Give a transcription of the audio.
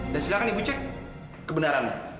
dan silahkan ibu cek kebenarannya